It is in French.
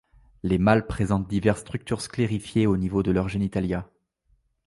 Les mâles présentent diverses structures sclérifiées au niveau de leurs genitalia.